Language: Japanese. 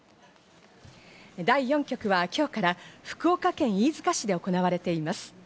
第４局はきょうから、福岡県飯塚市で行われています。